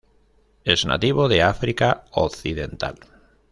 Es nativo de África Occidental.